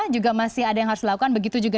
juga masih ada yang harus dilakukan begitu juga